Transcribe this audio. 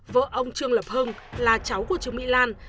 vợ ông trương lập hưng là cháu của trương mỹ lan